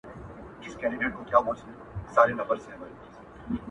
• خدایه په زړه کي مي دا یو ارمان راپاته مه کې -